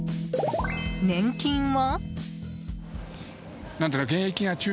年金は？